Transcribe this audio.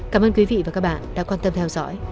cảm ơn quý vị và các bạn đã quan tâm theo dõi